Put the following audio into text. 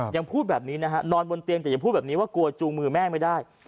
ยังพูดแบบนี้นะฮะนอนบนเตียงแต่ยังพูดแบบนี้ว่ากลัวจูงมือแม่ไม่ได้